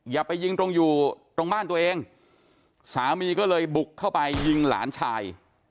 อย่าไปยิงตรงอยู่ตรงบ้านตัวเองสามีก็เลยบุกเข้าไปยิงหลานชาย